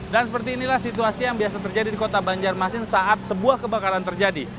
dan seperti inilah situasi yang biasa terjadi di kota banjarmasin saat sebuah kebakaran terjadi